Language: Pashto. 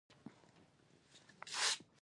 د سپیدار ونې د لرګیو لپاره ښې دي؟